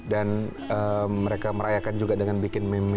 dan mereka merayakan juga dengan bikin meme meme